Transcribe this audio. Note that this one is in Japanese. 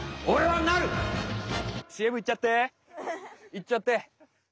いっちゃって！